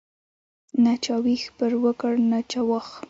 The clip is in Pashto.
نه چا ویش پر وکړ نه چا واخ.